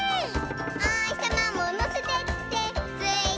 「おひさまものせてってついてくるよ」